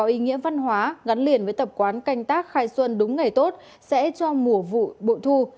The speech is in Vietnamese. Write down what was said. có ý nghĩa văn hóa gắn liền với tập quán canh tác khai xuân đúng ngày tốt sẽ cho mùa vụ bội thu